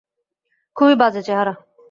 খুবই বাজে চেহারা।